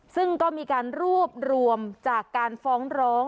ซึ่งก็มีการรวบรวมจากการฟ้องร้อง